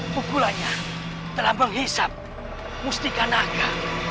kukulanya telah menghisap mustika naga